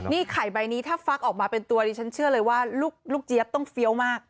นี่ไข่ใบนี้ถ้าฟักออกมาเป็นตัวดิฉันเชื่อเลยว่าลูกเจี๊ยบต้องเฟี้ยวมาก